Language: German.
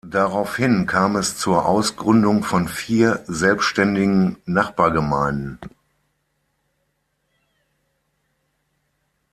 Daraufhin kam es zur Ausgründung von vier selbständigen Nachbargemeinden.